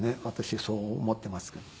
私そう思ってますが。